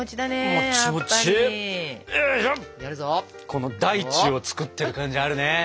この大地を作ってる感じあるね！